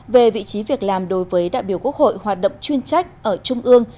về vị trí việc làm đối với đại biểu quốc hội hoạt động chuyên trách ở trung ương